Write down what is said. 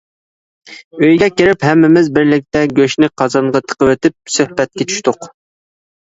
ئۆيگە كىرىپ ھەممىمىز بىرلىكتە گۆشنى قازانغا تىقىۋېتىپ سۆھبەتكە چۈشتۇق.